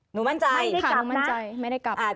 หนูมั่นใจไม่ได้กลับนะ